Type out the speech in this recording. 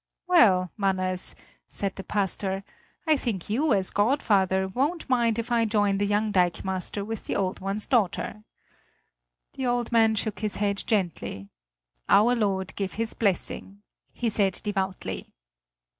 "Well, Manners," said the pastor, "I think you, as godfather, won't mind if I join the young dikemaster with the old one's daughter!" The old man shook his head gently: "Our Lord give His blessing!" he said devoutly.